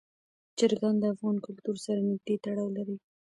چرګان د افغان کلتور سره نږدې تړاو لري.